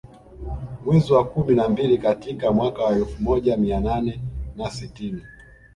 Mwezi wa kumi na mbili katika mwaka wa elfu moja mia nane na sitini